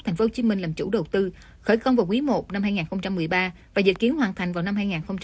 tp hcm làm chủ đầu tư khởi công vào quý i năm hai nghìn một mươi ba và dự kiến hoàn thành vào năm hai nghìn hai mươi